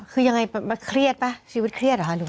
คือยังไงแบบเครียดปะชีวิตเครียดหรือเปล่า